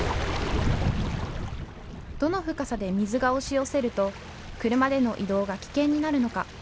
どの深さで水が押し寄せると車での移動が危険になるのか。